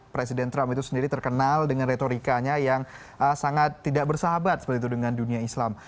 presiden trump itu sendiri terkenal dengan retorikanya yang sangat tidak bersahabat seperti itu dengan dunia islam